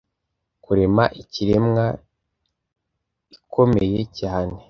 kurema ikiremwa ikomeye cyane